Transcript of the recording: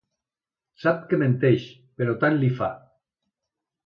Sap que menteix, però tant li fa.